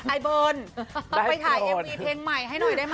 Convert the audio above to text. ไอเบิร์นเอาไปถ่ายเอ็มวีเพลงใหม่ให้หน่อยได้ไหม